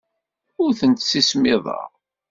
Ur tent-ssismiḍeɣ.